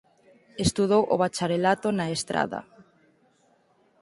Estudou o Bacharelato na Estrada.